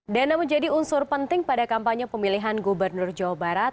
dana menjadi unsur penting pada kampanye pemilihan gubernur jawa barat